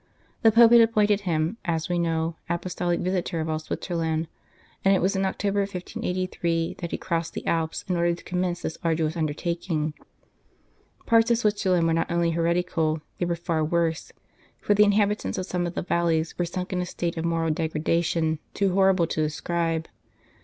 The Pope had appointed him, as we know, Apostolic Visitor of all Switzerland, and it was in October, 1583, that he crossed the Alps in order to commence this arduous undertaking. Parts of Switzerland were not only heretical, they were far worse ; for the inhabitants of some of the valleys were sunk in a state of moral degradation too horrible to describe.